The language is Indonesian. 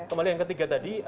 kembali yang ketiga tadi